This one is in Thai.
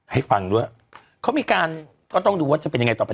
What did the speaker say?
ให้ฟังด้วยเขามีการก็ต้องดูว่าจะเป็นยังไงต่อไป